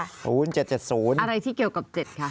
๐๗๗๐อะไรที่เกี่ยวกับ๗ค่ะ